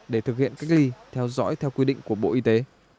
để thực hiện cách ly theo dõi theo quy định của bộ y tế